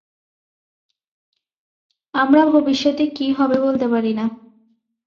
আমরা ভবিষ্যতে কি হবে বলতে পারি না।